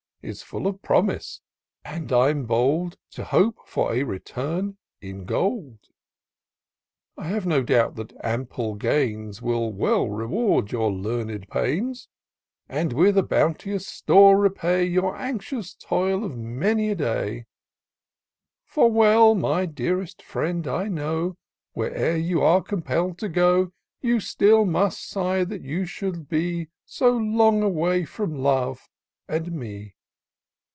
Is Ml of promise; and I'm bold To hope for a return in gold. I have no doubt that ample gains Will well reward your learned pains, And^ vdth a bounteous store, repay Your anxious toil of many a day; For well, my dearest friend, I know, Where'er you are compeU'd to go. You still must sigh that you should be So long away from love and me.